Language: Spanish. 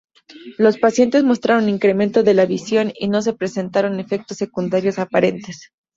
Los pacientes mostraron incremento de la visión, y no se presentaron efectos secundarios aparentes.